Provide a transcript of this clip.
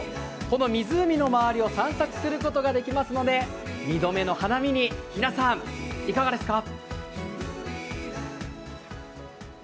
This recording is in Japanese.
この湖の周りを散策することができますので２度目の花見に皆さん、いかがですか？